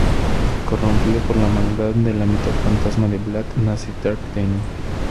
Corrompido por la maldad de la mitad fantasma de Vlad, nace Dark Danny.